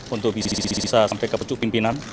untuk bisnis bisnis saya sampai ke pejabat pimpinan